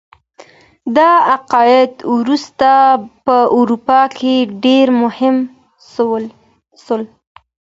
دا عقاید وروسته په اروپا کي ډیر مهم سول.